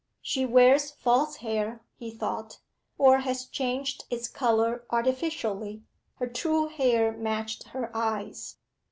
'She wears false hair,' he thought, 'or has changed its colour artificially. Her true hair matched her eyes.